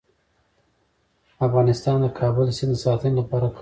افغانستان د کابل سیند د ساتنې لپاره قوانین لري.